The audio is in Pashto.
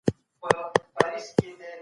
د داستان د زمانې درک کول ستونزمن کار دئ.